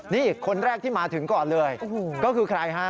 นี่คนแรกที่มาถึงก่อนเลยก็คือใครฮะ